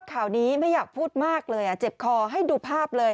ข่าวนี้ไม่อยากพูดมากเลยเจ็บคอให้ดูภาพเลย